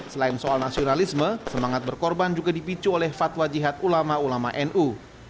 selain soal nasionalisme semangat berkorban juga dipicu oleh fatwa jihad ulama ulama nu